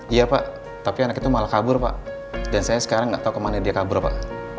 iya pak tapi anak itu malah kabur pak dan saya sekarang nggak tahu kemana dia kabur pak